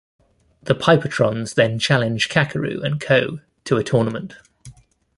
The Pipotrons then challenge Kakeru and co to a tournament.